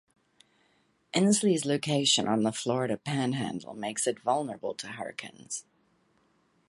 Ensley's location on the Florida Panhandle makes it vulnerable to hurricanes.